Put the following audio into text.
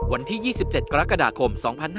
วันที่๒๗กรกฎาคม๒๕๖๒